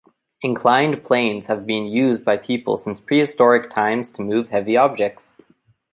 Inclined planes have been used by people since prehistoric times to move heavy objects.